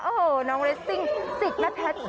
โอ้โหน้องเรสซิ่งจิกแม่แพทย์